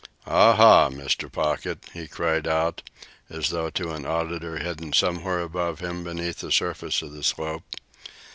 "Ah, ha! Mr. Pocket!" he cried out, as though to an auditor hidden somewhere above him beneath the surface of the slope.